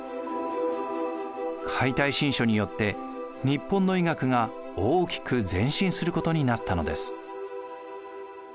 「解体新書」によって日本の医学が大きく前進することになったのです。